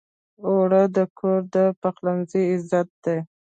اوړه د کور د پخلنځي عزت دی